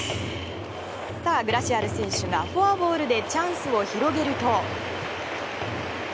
グラシアル選手がフォアボールでチャンスを広げると。